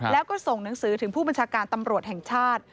แล้วก็ส่งหนังสือถึงผู้บัญชาการตำรวจแห่งชาติ